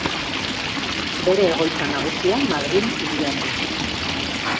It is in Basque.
Bere egoitza nagusia Madril hirian du.